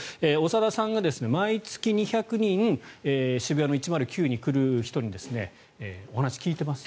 長田さんが毎月２００人渋谷の１０９に来る人にお話を聞いています。